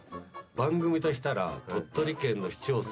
番組としたら鳥取県の市町村